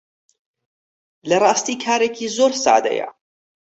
لە ڕاستی کارێکی زۆر سادەیە